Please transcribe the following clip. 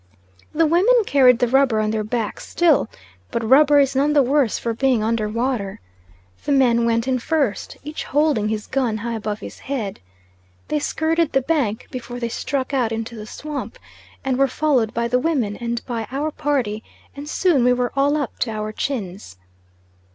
The women carried the rubber on their backs still, but rubber is none the worse for being under water. The men went in first, each holding his gun high above his head. They skirted the bank before they struck out into the swamp, and were followed by the women and by our party, and soon we were all up to our chins.